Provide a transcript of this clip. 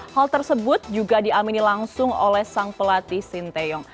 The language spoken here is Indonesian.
hal tersebut juga diamini langsung oleh sang pelatih sinteyong